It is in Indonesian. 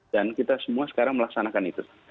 dan kita semua sekarang melaksanakan itu